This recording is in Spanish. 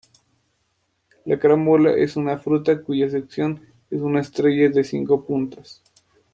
La carambola es una fruta cuya sección es una estrella de cinco puntas.